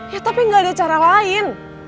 ya tapi gak ada cara lain